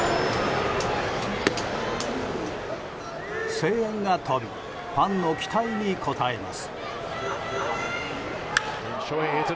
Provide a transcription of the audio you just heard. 声援が飛びファンの期待に応えます。